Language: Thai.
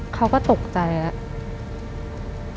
เขาก็ตกใจเลย